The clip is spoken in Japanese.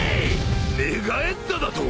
寝返っただと！？